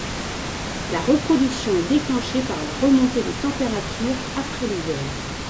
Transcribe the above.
La reproduction est déclenchée par la remontée des températures après l'hiver.